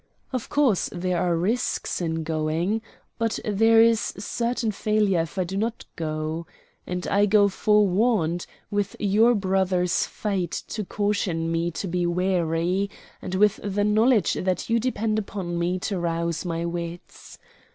"Of course there are risks in going, but there is certain failure if I do not go. And I go forewarned, with your brother's fate to caution me to be wary, and with the knowledge that you depend upon me to rouse my wits.